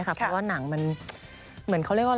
เพราะว่าหนังมัน